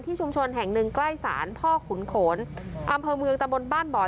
ชุมชนแห่งหนึ่งใกล้ศาลพ่อขุนโขนอำเภอเมืองตะบนบ้านบ่อย